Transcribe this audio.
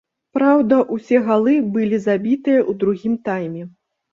Праўда, усе галы былі забітыя ў другім тайме.